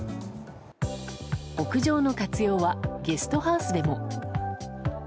屋上の活用はゲストハウスでも。